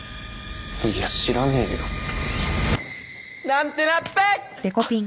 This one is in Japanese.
いや知らねえよ。なんてなペッ！